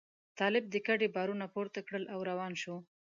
طالب د کډې بارونه پورته کړل او روان شو.